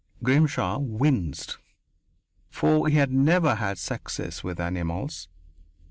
Grimshaw winced, for he had never had success with animals.